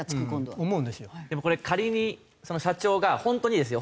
でもこれ仮に社長が本当にですよ